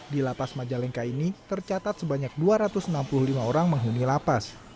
di lapas majalengka ini tercatat sebanyak dua ratus enam puluh lima orang menghuni lapas